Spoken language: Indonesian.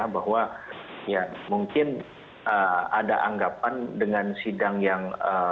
bahwa ya mungkin ada anggapan dengan sidang yang